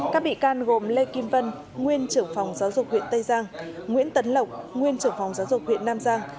các bị can gồm lê kim vân nguyên trưởng phòng giáo dục huyện tây giang nguyễn tấn lộc nguyên trưởng phòng giáo dục huyện nam giang